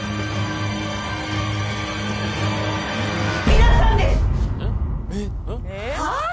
皆さんです！はあ？